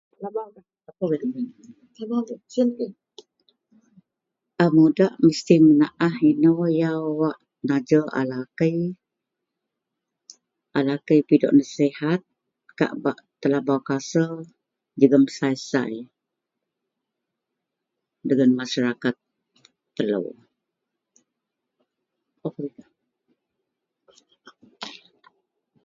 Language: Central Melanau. A muda mestilah menaah wak inou yau najir a lakei. A lakei pidok nasihat ka bak telabau kasar dagen masyarakat melo.